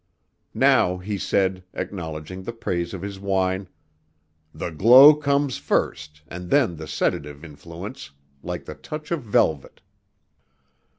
Now he said, acknowledging the praise of his wine: "The glow comes first, and then the sedative influence like the touch of velvet."